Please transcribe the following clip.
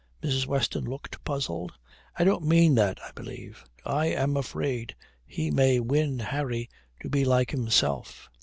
Mrs. Weston looked puzzled. "I don't mean that, I believe. I am afraid he may win Harry to be like himself.